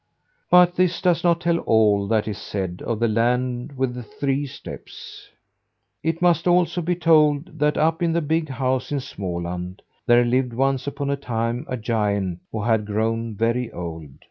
"But this does not tell all that is said of the land with the three steps. It must also be told that up in the big house in Småland there lived once upon a time a giant, who had grown very old.